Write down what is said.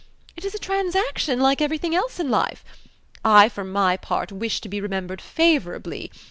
It is a transaction like everything else in life. I, for my part, wish to be remembered favourably.